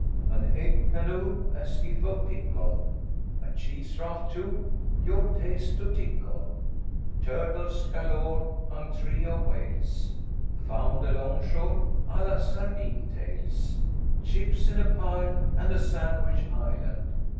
An egg Canoe A Skiff of pickle A Cheese Raft too. Your taste to tickle. Turtles galore, Entre'e of Whales Found alongshore. (A la sardine tails). Chips in a pile, and A Sandwich Island.